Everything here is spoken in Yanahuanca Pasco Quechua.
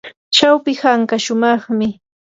chawpi hanka shumaqmi.